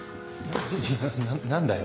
な何だよ？